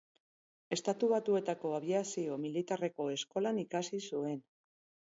Estatu Batuetako abiazio militarreko eskolan ikasi zuen.